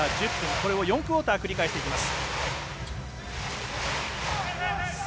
これを４クオーター繰り返していきます。